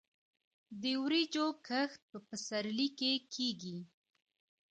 د وریجو کښت په پسرلي کې کیږي.